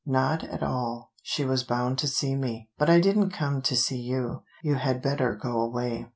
"Not at all. She was bound to see me. But I didn't come to see you. You had better go away."